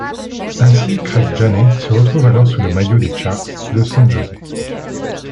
Ainsi, Craig Janney se retrouve alors sous le maillot des Sharks de San José.